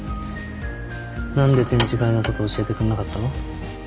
何で展示会のこと教えてくんなかったの？